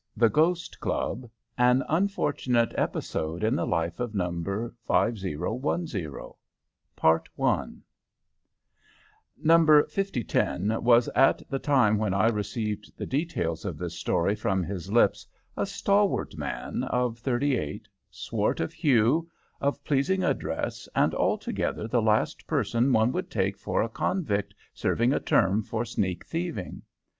THE GHOST CLUB AN UNFORTUNATE EPISODE IN THE LIFE OF NO. 5010 Number 5010 was at the time when I received the details of this story from his lips a stalwart man of thirty eight, swart of hue, of pleasing address, and altogether the last person one would take for a convict serving a term for sneak thieving.